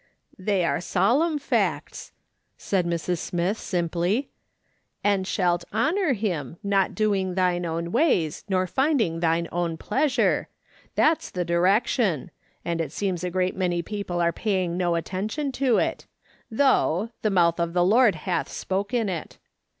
" They are solemn facts," said Mrs. Smith, simply. "' And slialt honour him, not doing thine own ways, nor finding thine own pleasure.' That's the direc tion ; and it seems a great many people are paying no attention to it : though ' the mouth of the Lord hath spoken it.'